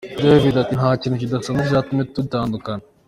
David ati “Nta kintu kidasanzwe cyatumye dutandukana.